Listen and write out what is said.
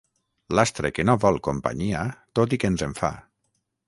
L'astre que no vol companyia, tot i que ens en fa.